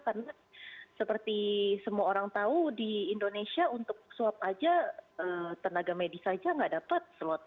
karena seperti semua orang tahu di indonesia untuk swab aja tenaga medis saja nggak dapat slot